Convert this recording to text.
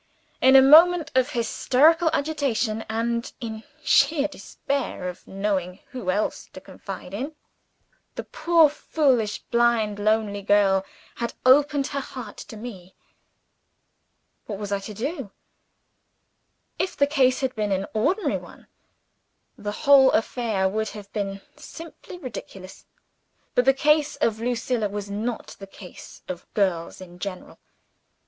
In a moment of hysterical agitation and in sheer despair of knowing who else to confide in the poor, foolish, blind, lonely girl had opened her heart to me. What was I to do? If the case had been an ordinary one, the whole affair would have been simply ridiculous. But the case of Lucilla was not the case of girls in general.